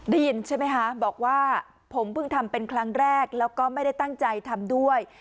ได้ยินใช่ไหมคะบอกว่าผมเพิ่งทำเป็นครั้งแรกแล้วก็ไม่ได้ตั้งใจทำด้วย